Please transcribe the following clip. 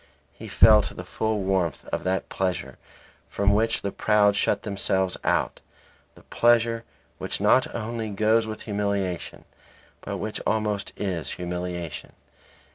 He felt the full warmth of that pleasure from which the proud shut themselves out; the pleasure which not only goes with humiliation, but which almost is humiliation.